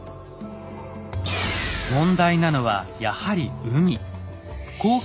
問題なのはやはり海。